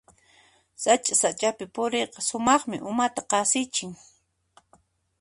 Sacha-sachapi puriyqa sumaqmi, umata qasichin.